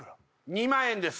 ２万円です